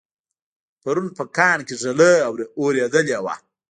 پرون په کاڼ کې ږلۍ اورېدلې وه